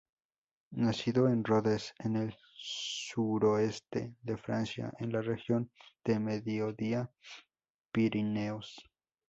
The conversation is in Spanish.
Nació en Rodez, en el suroeste de Francia, en la región de Mediodía-Pirineos.